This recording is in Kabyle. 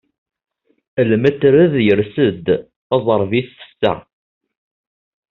Lmetred yers-d, taẓerbit tessa.